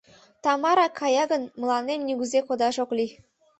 — Тамара кая гын, мыланем нигузе кодаш ок лий.